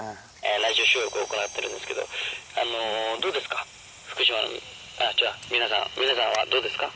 ラジオ収録を行ってるんですけど、どうですか、福島、あっ、違う、皆さんはどうですか？